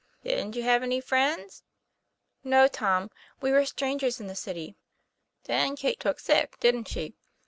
" Didn't you have any friends ?' "No, Tom. We were strangers in the city." "Then Kate took sick, didn't she